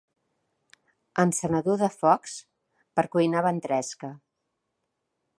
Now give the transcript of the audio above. Encenedor de focs per cuinar ventresca.